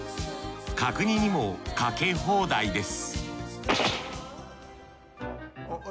角煮にもかけ放題です